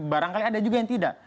barangkali ada juga yang tidak